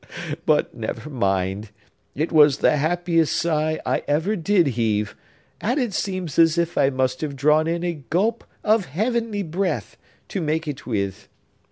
But, never mind! It was the happiest sigh I ever did heave; and it seems as if I must have drawn in a gulp of heavenly breath, to make it with.